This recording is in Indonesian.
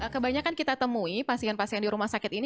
kebanyakan kita temui pasien pasien di rumah sakit ini